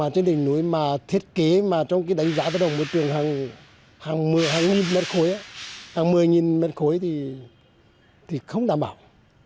trên đỉnh núi mà thiết kế trong cái đánh giá tất cả môi trường hàng một mươi mét khối thì không đảm bảo